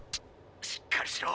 しっかりしろ。